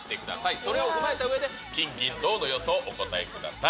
それを踏まえたうえで、金、銀、銅の予想をお答えください。